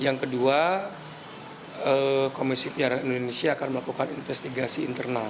yang kedua komisi penyiaran indonesia akan melakukan investigasi internal